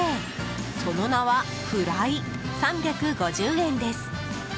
その名はふらい、３５０円です。